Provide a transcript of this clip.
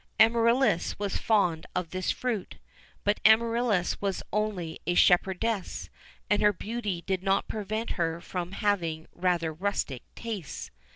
[XIV 37] Amaryllis was fond of this fruit;[XIV 38] but Amaryllis was only a shepherdess, and her beauty did not prevent her from having rather rustic tastes.